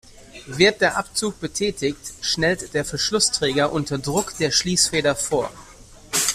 Wird der Abzug betätigt, schnellt der Verschlussträger unter Druck der Schließfeder vor.